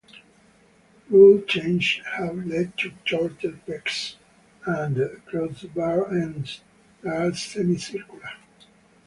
Rule changes have led to shorter pegs and crossbar ends that are semi-circular.